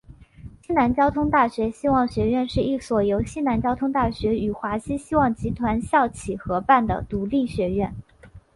西南交通大学希望学院是一所由西南交通大学与华西希望集团校企合办的独立学院。